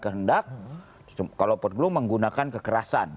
kehendak kalau pun dulu menggunakan kekerasan